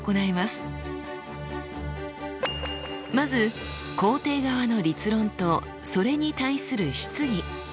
まず肯定側の立論とそれに対する質疑。